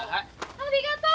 ありがとう。